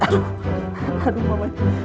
aduh pak mai